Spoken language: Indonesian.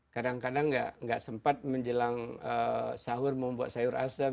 kadang kadang nggak sempat menjelang sahur membuat sayur asem